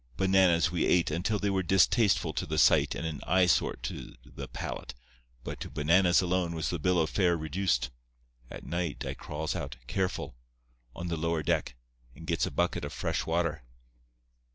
Bananas we ate until they were distasteful to the sight and an eyesore to the palate, but to bananas alone was the bill of fare reduced. At night I crawls out, careful, on the lower deck, and gets a bucket of fresh water.